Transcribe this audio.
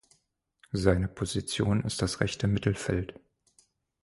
Seine Position ist das rechte Mittelfeld.